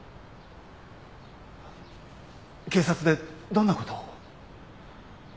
警察でどんなことを？